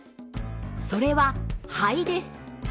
それは肺です。